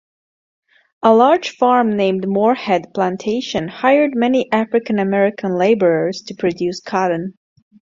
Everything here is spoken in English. A large farm named Morehead Plantation hired many African-American laborers to produce cotton.